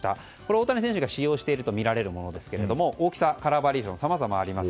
大谷選手が使用しているとみられるものですが大きさ、カラーバリエーションさまざまあります。